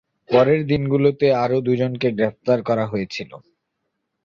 পরের দিনগুলিতে আরও দু'জনকে গ্রেপ্তার করা হয়েছিল।